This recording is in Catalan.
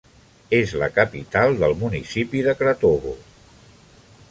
És la capital del municipi de Kratovo.